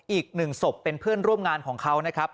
อีกหนึ่งศพเป็นเพื่อนร่วมงานของเขานะครับ